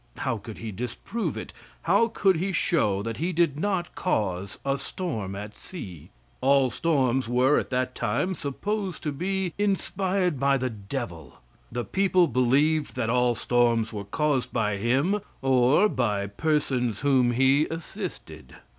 How could he disprove it? How could he show that he did not cause a storm at sea? All storms were at that time supposed to be inspired by the devil; the people believed that all storms were caused by him, or by persons whom he assisted.